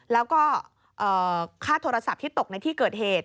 แล้วก็ค่าโทรศัพท์ที่ตกในที่เกิดเหตุ